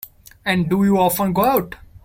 And do you often go out?